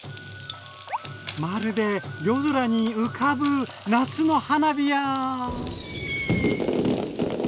まるで夜空に浮かぶ夏の花火や。